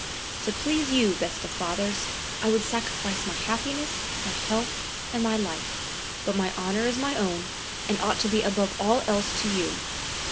"To please you, best of fathers, I would sacrifice my happiness, my health and my life; but my honor is my own, and ought to be above all else to you.